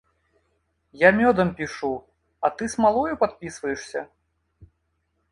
Я мёдам пішу, а ты смалою падпісваешся?